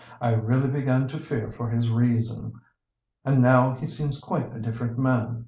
I really began to fear for his reason. And now he seems quite a different man.